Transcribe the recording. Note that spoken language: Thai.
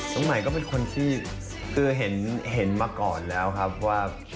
น้องใหม่ก็เป็นคนที่คือเห็นมาก่อนแล้วครับว่า